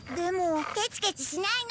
ケチケチしないの！